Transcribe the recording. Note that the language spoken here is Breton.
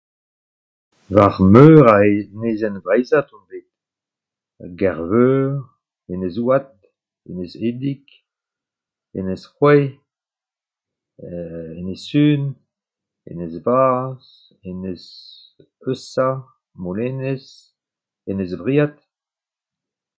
War meur a enezenn vreizhat on bet : ar Gerveur, Enez-Houad, Enez-Edig, Enez-Groe, euu, Enez-Sun, Enez-Vaz, Enez-Eusa, Molenez, Enez-Vriad.